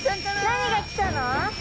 何がきたの？